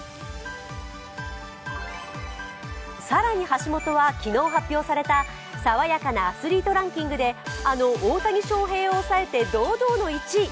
更に、橋本は昨日発表された爽やかなアスリートランキングで、あの大谷翔平を抑えて堂々の１位。